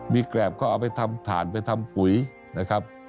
มีแกรบก็เอาไปทำถ่านไปทำปุ๋ยนะครับ